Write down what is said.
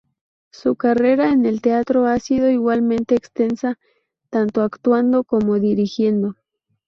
Su carrera en el teatro ha sido igualmente extensa, tanto actuando como dirigiendo.